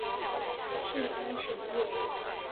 契丹审密人。